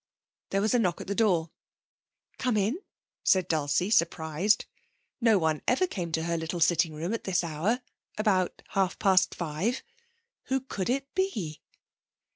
There was a knock at the door. 'Come in!' said Dulcie, surprised. No one ever came to her little sitting room at this hour, about half past five. Who could it be?